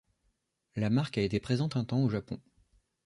La marque a été présente un temps au Japon.